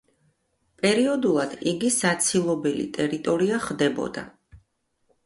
პერიოდულად იგი საცილობელი ტერიტორია ხდებოდა.